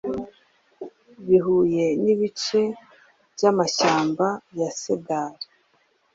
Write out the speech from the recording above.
bihuye nibice byamashyamba ya Cedar